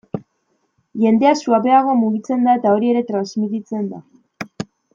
Jendea suabeago mugitzen da eta hori ere transmititzen da.